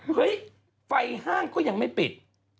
เฮ้ยไฟห้างก็ยังไม่ปิด